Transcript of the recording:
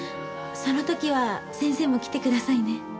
その時は先生も来てくださいね。